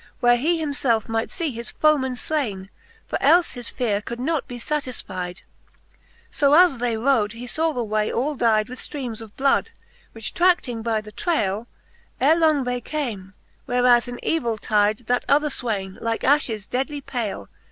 Where he himfelfe might fee his foeman flaine ; For elfe his feare could not be fatisfyde. So as they rode, he faw the way all dyde With ftreames of bloifd ; which trading by the traile, Ere long they came whereas in evill tyde That other fwayne, like afhes dead and pale.